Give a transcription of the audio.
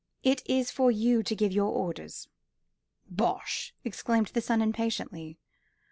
It is for you to give your orders." "Bosh!" exclaimed the son impatiently.